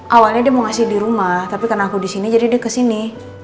awalnya dia mau ngasih di rumah tapi karena aku di sini jadi dia kesini